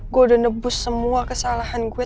gue udah nebus semua kesalahan gue